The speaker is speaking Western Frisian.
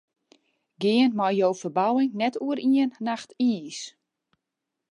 Gean mei jo ferbouwing net oer ien nacht iis.